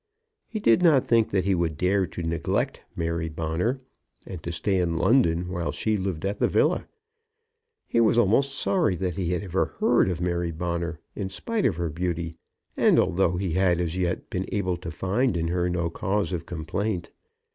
He did not think that he would dare to neglect Mary Bonner, and to stay in London while she lived at the villa. He was almost sorry that he had ever heard of Mary Bonner, in spite of her beauty, and although he had as yet been able to find in her no cause of complaint.